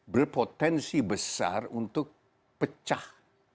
berpotensi besar untuk pecah